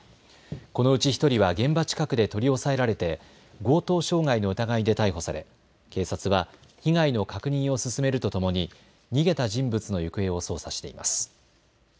このうち１人は現場近くで取り押さえられて強盗傷害の疑いで逮捕され警察は被害の確認を進めるとともに逃げた人物の行方を捜査しています。